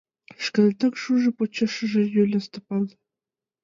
Шканетак шужо! — почешыже юла Стапан.